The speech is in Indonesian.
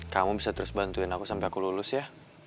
kamu bisa terus bantuin aku sampai aku lulus ya